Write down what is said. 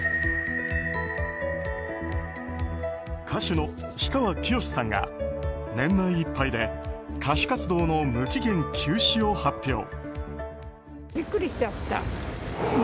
歌手の氷川きよしさんが年内いっぱいで歌手活動の無期限休止を発表。